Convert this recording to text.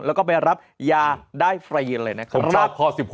แล้วก็ไปรับยาได้ฟรีเลยนะครับ